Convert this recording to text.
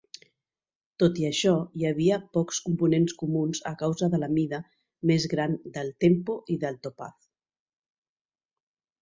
Tot i això, hi havia pocs components comuns a causa de la mida més gran del Tempo i del Topaz.